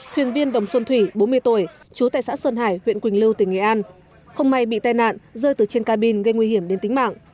thuyền viên đồng xuân thủy bốn mươi tuổi chú tại xã sơn hải huyện quỳnh lưu tỉnh nghệ an không may bị tai nạn rơi từ trên cabin gây nguy hiểm đến tính mạng